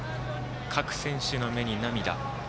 各選手の目に涙。